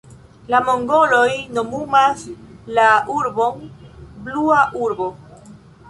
La mongoloj nomumas la urbon Blua urbo.